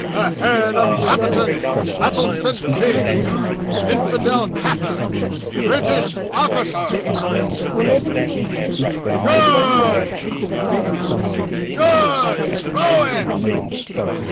"The head of Cappitin Attleystan King infidel kaffir British arrficer!" he howled. "Good!" the crowd bellowed. "Good! Throw it!"